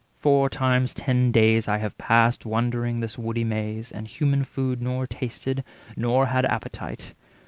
Four times ten days I have passed Wandering this woody maze, and human food Nor tasted, nor had appetite.